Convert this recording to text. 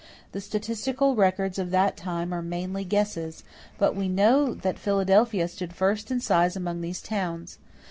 The statistical records of that time are mainly guesses; but we know that Philadelphia stood first in size among these towns.